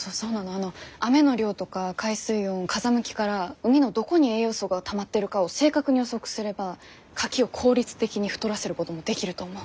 あの雨の量とか海水温風向きから海のどこに栄養素がたまってるかを正確に予測すればカキを効率的に太らせることもできると思う。